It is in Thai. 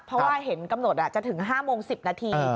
เพราะว่าเห็นกำหนดจะถึง๕โมง๑๐นาที